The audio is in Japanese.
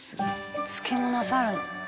「絵付けもなさるの？」